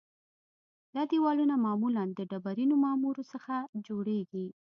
دا دیوالونه معمولاً د ډبرینو معمورو څخه جوړیږي